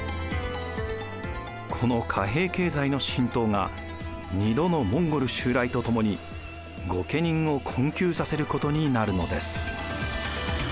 この貨幣経済の浸透が２度のモンゴル襲来とともに御家人を困窮させることになるのです。